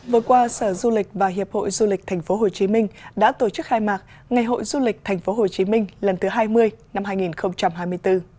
vừa qua sở du lịch và hiệp hội du lịch tp hcm đã tổ chức khai mạc ngày hội du lịch tp hcm lần thứ hai mươi năm hai nghìn hai mươi bốn